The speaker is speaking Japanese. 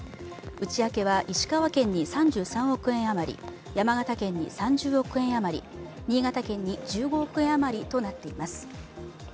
内訳は石川県に３３億円あまり、山形県に３０億円あまり、新潟県に１５億円あまりとなっています。